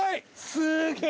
すげえ！